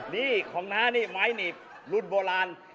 นี่ของน้านี่ไม้หนีบรุ่นโบราณ